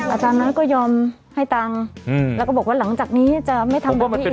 อาจารย์น้อยก็ยอมให้ตังค์แล้วก็บอกว่าหลังจากนี้จะไม่ทำแบบนี้อีก